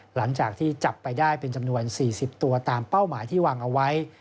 หลังจากที่จับไปได้เป็นจำนวน๔๐ตัวตามเป้าหมายที่วางเอาไว้